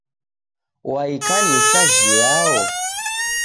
Wa ikanisa jhiao?